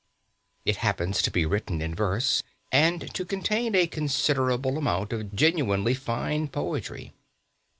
It happens to be written in verse, and to contain a considerable amount of genuinely fine poetry.